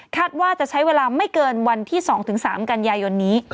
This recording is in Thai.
ว่าจะใช้เวลาไม่เกินวันที่๒๓กันยายนนี้